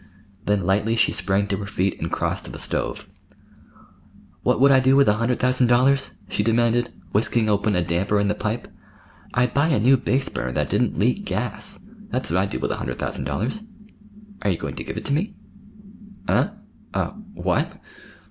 Then lightly she sprang to her feet and crossed to the stove. "What would I do with a hundred thousand dollars?" she demanded, whisking open a damper in the pipe. "I'd buy a new base burner that didn't leak gas! That's what I'd do with a hundred thousand dollars. Are you going to give it to me?" "Eh? Ah what?"